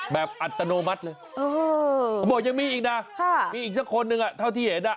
อัตโนมัติเลยเขาบอกยังมีอีกนะมีอีกสักคนหนึ่งเท่าที่เห็น